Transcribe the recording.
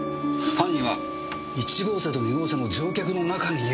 犯人は１号車と２号車の乗客の中にいる。